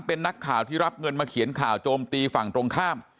เป็นนักข่าวที่รับเงินมาเขียนข่าวโจมตีฝั่งตรงข้าม